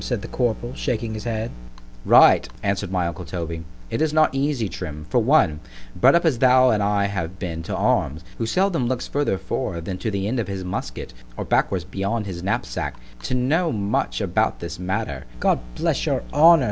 said the corporal, shaking his head—— Right; answered my uncle Toby, it is not easy, Trim, for one, bred up as thou and I have been to arms, who seldom looks further forward than to the end of his musket, or backwards beyond his knapsack, to know much about this matter——God bless your honour!